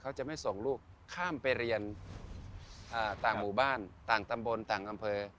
เขาจะไม่ส่งลูกข้ามไปเรียนต่างหมู่บ้านต่างตำบลต่างอำเภอ